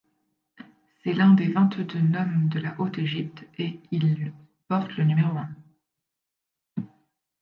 C'est l'un des vingt-deux nomes de la Haute-Égypte et il porte le numéro un.